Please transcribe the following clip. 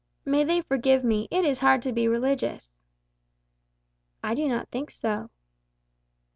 May they forgive me; it is hard to be religious." "I do not think so."